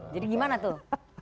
jadi gimana tuh